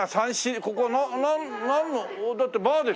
ここなんのだってバーでしょ？